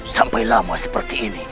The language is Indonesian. sampai lama seperti ini